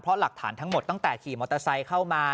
เพราะหลักฐานทั้งหมดตั้งแต่ขี่มอเตอร์ไซค์เข้ามา